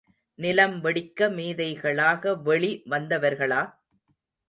நிலம் வெடிக்க மேதைகளாக வெளி வந்தவர்களா?